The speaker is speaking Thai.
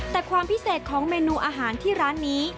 แต่ความพิเศษของเมนูอาหารที่ร้านนี้